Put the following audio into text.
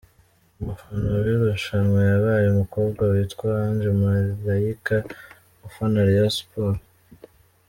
Umufana w’irushanwa yabaye umukobwa witwa Ange Malayika ufana Rayon Sports.